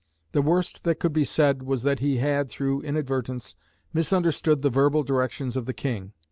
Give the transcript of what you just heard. The worst that could be said was that he had, through inadvertence, misunderstood the verbal directions of the King.